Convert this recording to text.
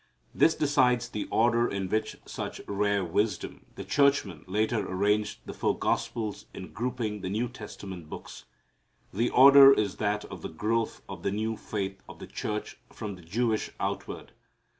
This decides the order in which, with such rare wisdom, the churchmen later arranged the four gospels in grouping the New Testament books. The order is that of the growth of the new faith of the church from the Jewish outward.